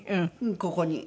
ここに。